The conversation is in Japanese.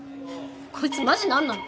こいつマジ何なの？